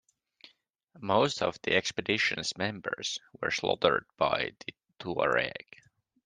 Most of the expedition's members were slaughtered by the Tuareg.